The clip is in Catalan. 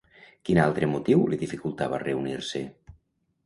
Quin altre motiu li dificultava reunir-se?